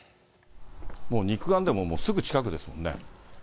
もう肉眼でもすぐ近くですもんね。